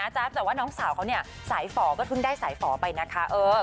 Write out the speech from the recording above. แต่ว่าน้องสาวสายฝอก็ได้สายฝอไปนะคะ